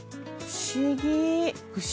不思議！